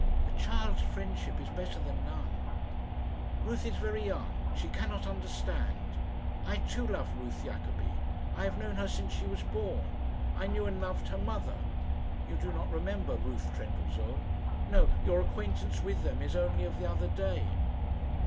"A child's friendship is better than none." "Ruth is very young. She cannot understand. I too love Ruth Jacobi. I have known her since she was born. I knew and loved her mother. You do not remember Ruth Trendellsohn. No; your acquaintance with them is only of the other day."